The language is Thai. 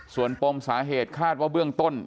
ส่วนปมสาเหตุคาดว่าเบื้องต้น